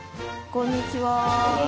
こんにちは。